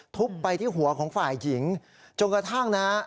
ทุบไปที่หัวของฝ่ายหญิงจนกระทั่งนะฮะ